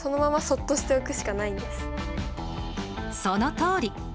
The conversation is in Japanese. そのとおり。